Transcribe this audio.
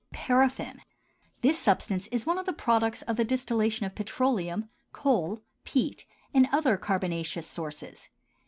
PARAFFIN. This substance is one of the products of the distillation of petroleum, coal, peat, and other carbonaceous sources.